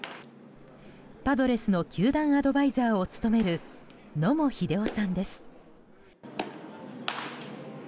パドレスの球団アドバイザーを務める、野茂英雄さんです。